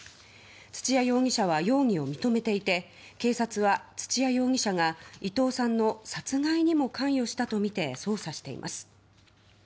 土屋容疑者は容疑を認めていて警察は土屋容疑者が伊藤さんの殺害にも関与したとみて捜査しています。